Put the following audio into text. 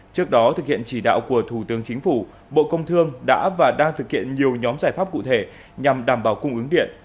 trước đó thực hiện chỉ đạo của thủ tướng chính phủ bộ công thương đã và đang thực hiện nhiều nhóm giải pháp cụ thể nhằm đảm bảo cung ứng điện